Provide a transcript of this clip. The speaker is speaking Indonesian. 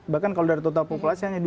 bahkan kalau dari total populasi hanya dua